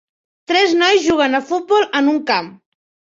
Tres nois juguen a futbol en un camp